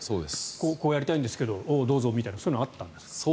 こうやりたいんですけどおお、どうぞみたいなのはあったんですか？